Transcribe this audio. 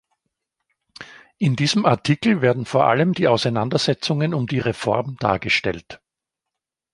In diesem Artikel werden vor allem die Auseinandersetzungen um die Reform dargestellt.